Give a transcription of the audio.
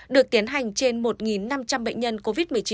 được tiến hành trên một năm trăm linh bệnh nhân covid một mươi chín